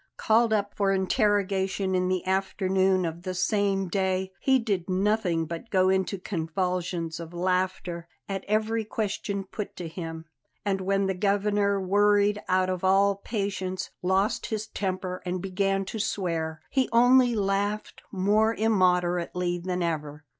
Called up for interrogation in the afternoon of the same day, he did nothing but go into convulsions of laughter at every question put to him; and when the Governor, worried out of all patience, lost his temper and began to swear, he only laughed more immoderately than ever.